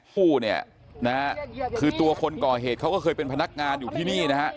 ผู้เนี่ยนะฮะคือตัวคนก่อเหตุเขาก็เคยเป็นพนักงานอยู่ที่นี่นะฮะ